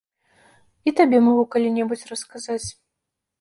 І табе магу калі-небудзь расказаць.